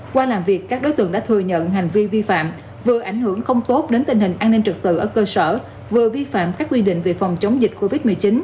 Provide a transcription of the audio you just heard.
qua làm việc các đối tượng đã thừa nhận hành vi vi phạm vừa ảnh hưởng không tốt đến tình hình an ninh trực tự ở cơ sở vừa vi phạm các quy định về phòng chống dịch covid một mươi chín